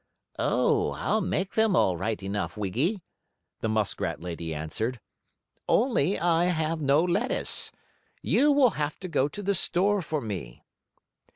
"Oh, I'll make them, all right enough, Wiggy," the muskrat lady answered, "only I have no lettuce. You will have to go to the store for me."